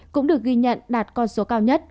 cũng được ghi nhận đạt con số cao nhất